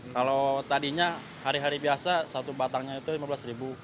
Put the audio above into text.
kalau tadinya hari hari biasa satu batangnya itu rp lima belas ribu